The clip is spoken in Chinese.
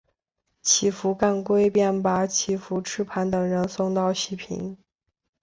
乞伏干归便把乞伏炽磐等人送到西平。